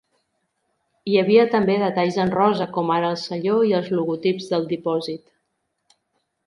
Hi havia també detalls en rosa, com ara el selló i els logotips del dipòsit.